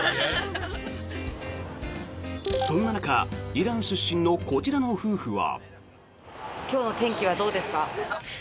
そんな中イラン出身のこちらの夫婦は。